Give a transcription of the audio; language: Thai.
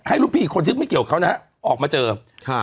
ให้รุ่นพี่คนที่ไม่เกี่ยวเขานะฮะออกมาเจอค่ะ